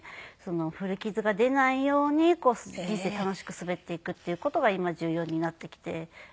古傷が出ないように人生楽しく滑っていくっていう事が今重要になってきています。